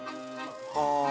はあ。